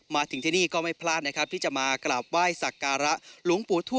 มาถึงที่นี่ก็ไม่พลาดนะครับที่จะมากลับไหว้สากรระ